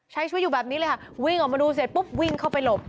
ใช้ชีวิตอยู่แบบนี้เลยค่ะวิ่งออกมาดูเสร็จปุ๊บวิ่งเข้าไปหลบ